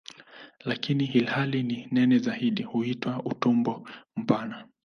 Lakini ilhali ni nene zaidi huitwa "utumbo mpana".